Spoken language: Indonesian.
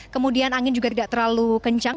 kemudian angin juga tidak terlalu kencang